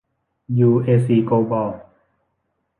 ยูเอซี โกลบอล